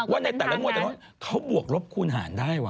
ว่าในแต่ละง่วงแต่ละน้อยเขาบวกรบคูณห่านได้วะ